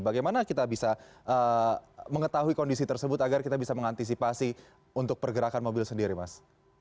bagaimana kita bisa mengetahui kondisi tersebut agar kita bisa mengantisipasi untuk pergerakan mobil sendiri mas